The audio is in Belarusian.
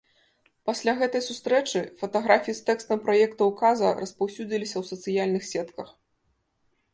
Пасля гэтай сустрэчы фатаграфіі з тэкстам праекта ўказа распаўсюдзіліся ў сацыяльных сетках.